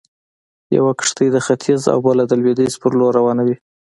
يوه کښتۍ د ختيځ او بله د لويديځ پر لور روانوي.